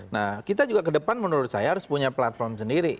nah kita juga ke depan menurut saya harus punya platform sendiri